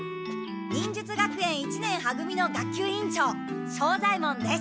忍術学園一年は組の学級委員長庄左ヱ門です。